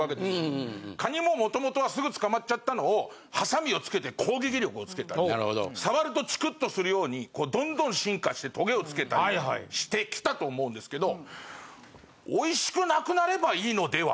カニも元々はすぐつかまっちゃったのをハサミつけて攻撃力をつけたり触るとチクッ！とするようにこうどんどん進化してトゲをつけたりしてきたと思うんですけど。